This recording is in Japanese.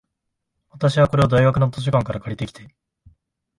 私は、これを大学の図書館から借りてきて、